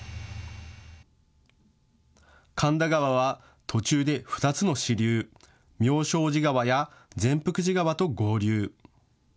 神田川は途中で２つの支流、妙正寺川や善福寺川と合流。